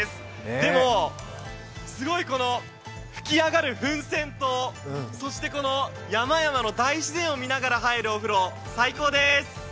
でも、すごい噴き上がる噴泉と山々の大自然を見ながら入るお風呂最高でーす！